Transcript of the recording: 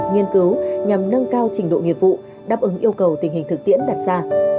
nghiên cứu nhằm nâng cao trình độ nghiệp vụ đáp ứng yêu cầu tình hình thực tiễn đặt ra